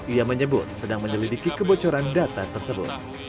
ia menyebut sedang menyelidiki kebocoran data tersebut